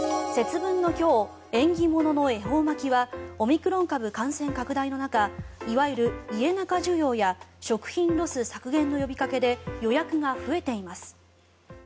節分の今日、縁起物の恵方巻きはオミクロン株感染拡大の中いわゆる家中需要や食品ロス削減の呼びかけで予約が増えています。